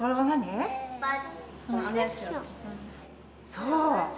そう。